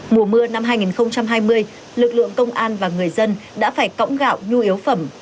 mùa mưa năm hai nghìn hai mươi lực lượng công an và người dân đã phải cõng gạo nhu yếu phẩm